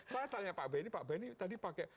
saya tanya pak beni pak beni tadi pakai